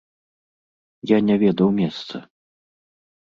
Я не ведаў месца.